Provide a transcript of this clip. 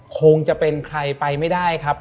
คงจะเป็นใครไปไม่ได้ครับ